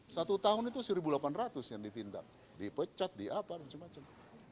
satu tahun itu seribu delapan ratus yang ditindak dipecat di apa macam macam